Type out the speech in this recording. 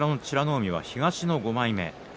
海は東の５枚目。